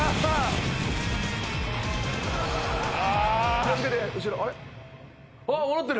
気を付けて後ろ。